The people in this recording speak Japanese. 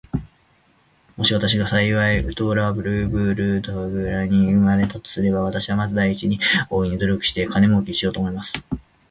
もし私が幸いにストラルドブラグに生れたとすれば、私はまず第一に、大いに努力して金もうけをしようと思います。